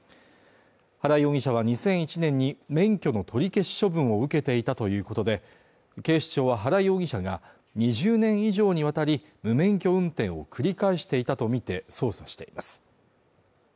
原容疑者は２００１年に免許の取り消し処分を受けていたということで警視庁は原容疑者が２０年以上にわたり無免許運転を繰り返していたとみて捜査しています